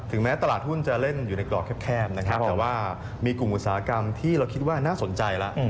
แม้ตลาดหุ้นจะเล่นอยู่ในกรอบแคบนะครับแต่ว่ามีกลุ่มอุตสาหกรรมที่เราคิดว่าน่าสนใจแล้ว